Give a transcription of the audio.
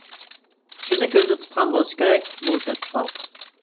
شۇنى كۆزدە تۇتقان بولسا كېرەك، بۇ تەتقىقات.